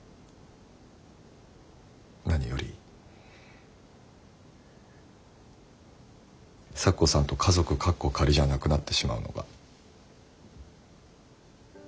何より咲子さんと家族カッコ仮じゃなくなってしまうのが。